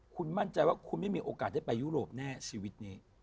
คุณมั่นใจว่าคุณไม่มีโอกาสได้ไปยุโรปแน่ชีวิตนี้